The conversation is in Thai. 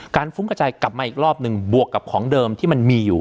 ฟุ้งกระจายกลับมาอีกรอบหนึ่งบวกกับของเดิมที่มันมีอยู่